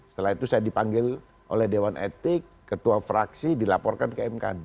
setelah itu saya dipanggil oleh dewan etik ketua fraksi dilaporkan ke mkd